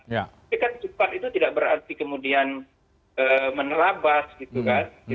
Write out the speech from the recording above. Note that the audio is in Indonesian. tapi kan cepat itu tidak berarti kemudian menelabas gitu kan